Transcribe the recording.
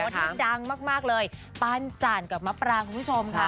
แต่ว่าที่ดังมากเลยปานจ่านกับมับรางคุณผู้ชมค่ะ